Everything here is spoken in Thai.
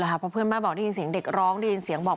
ถ้าหนูอ่ะไม่รักลูกอ่ะตอนนั้นอ่ะหนูทำงานเซเว่นนะคะ